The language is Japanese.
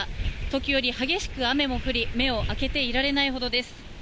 時折、激しく雨も降り目を開けていられないほどです。